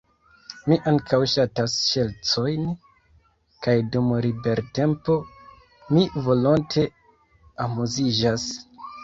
Mi ankaŭ ŝatas ŝercojn kaj dum libertempo mi volonte amuziĝas.